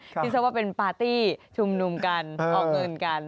ที่ฉันว่าเป็นปาร์ตี้ชุมนุมกันออกเงินกัน